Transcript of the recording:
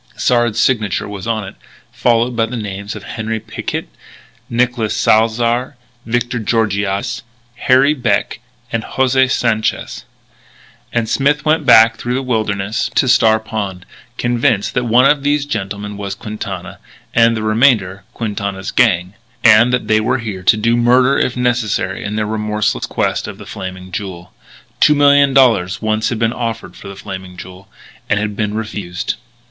Sard's signature was on it, followed by the names of Henri Picquet, Nicolas Salzar, Victor Georgiades, Harry Beck, and José Sanchez. And Smith went back through the wilderness to Star Pond, convinced that one of these gentlemen was Quintana, and the remainder, Quintana's gang; and that they were here to do murder if necessary in their remorseless quest of "The Flaming Jewel." Two million dollars once had been offered for the Flaming Jewel; and had been refused.